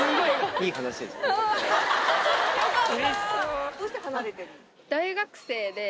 よかった。